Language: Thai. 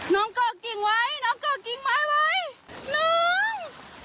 น้องก็กิ่งไว้น้องก็กิ่งไม้ไว้น้อง